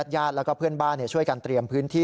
ญาติแล้วก็เพื่อนบ้านช่วยกันเตรียมพื้นที่